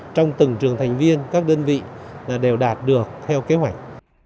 trong từng trường thành viên các đơn vị đều đạt được theo kế hoạch